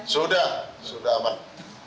sudah sudah aman